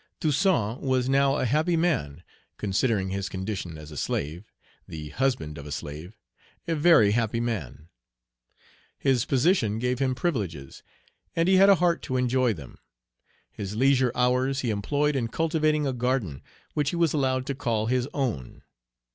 Toussaint was now a happy man, considering his condition as a slave, the husband of a slave, a very happy man. His position gave him privileges, and he had a heart to enjoy them. His leisure hours he employed in cultivating a garden, which he was allowed to call his own.